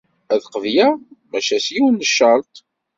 Ad t-qebleɣ maca s yiwen n ccerṭ.